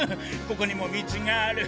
ここにも道がある。